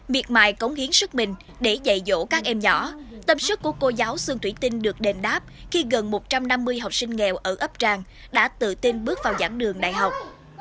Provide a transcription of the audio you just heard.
biệt mài cống hiến sức mình để dạy dỗ các em nhỏ tâm sức của cô giáo sương thủy tinh được đền đáp khi gần một trăm năm mươi học sinh nghèo ở ấp trang đã tự tin bước vào giảng đường đại học